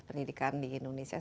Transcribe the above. pendidikan di indonesia